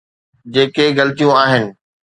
جيڪي غلطيون آهن.